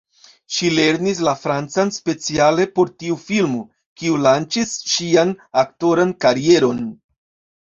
Ŝi lernis la francan speciale por tiu filmo, kiu lanĉis ŝian aktoran karieron.